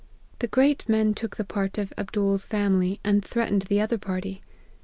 The great men took the part of Abdool's family, and threatened the other party.